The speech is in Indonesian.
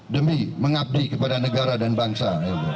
demi mengabdi kepada negara dan bangsa